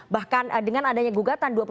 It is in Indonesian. bahkan dengan adanya gugatan